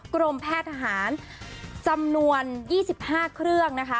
กรมแพทย์ทหารจำนวน๒๕เครื่องนะคะ